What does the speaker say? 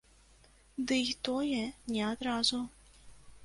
Дый тое не адразу.